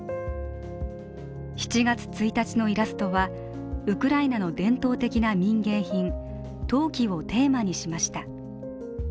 ７月１日のイラストはウクライナの伝統的な民芸品、陶器をテーマにしました。